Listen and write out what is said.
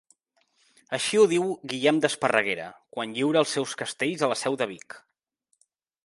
Així ho diu Guillem d'Esparreguera, quan lliura els seus castells a la seu de Vic.